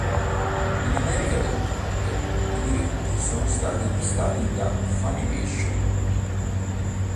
In America del Nord i diritti sono stati acquistati da Funimation.